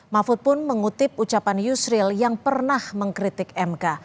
mahfud pun mengutip ucapan yusril yang pernah mengkritik mk